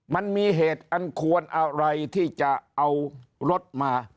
มันมีเหตุอันควรอะไรที่จะเอารถมา